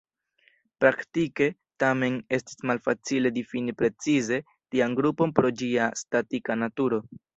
Praktike, tamen, estis malfacile difini precize tian grupon pro ĝia statika naturo.